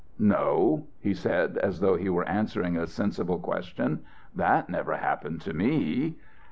"No," he said, as though he were answering a sensible question, "that never happened to me."